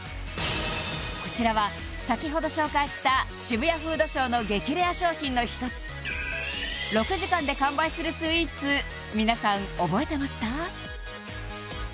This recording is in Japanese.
こちらは先ほど紹介した渋谷フードショーの激レア商品の１つ６時間で完売するスイーツ皆さん覚えてました？